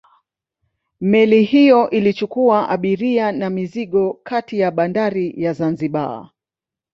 Meli hiyo ilichukua abiria na mizigo kati ya bandari ya Zanzibar